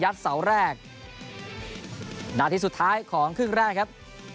เสาแรกนาทีสุดท้ายของครึ่งแรกครับ